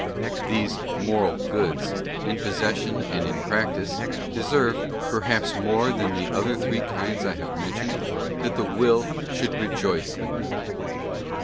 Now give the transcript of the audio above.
These moral goods, in possession and in practice, deserve, perhaps more than the other three kinds I have mentioned, that the will should rejoice in them.